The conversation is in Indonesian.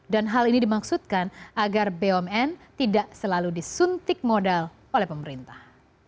dan hal ini dimaksudkan agar bumn tidak selalu disuntik modal oleh pemerintah